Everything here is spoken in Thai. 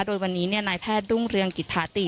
โดยวันนี้นายแพทย์รุ่งเรืองกิจภาติ